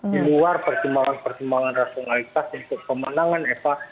keluar pertimbangan pertimbangan rasionalitas untuk pemenangan eva